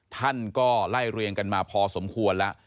ท่านก็ไล่เรียงกันมาพอสมควรแล้ว